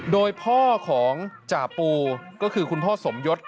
โดยพ่อของจ่าปูก็คือคุณพ่อสมยศ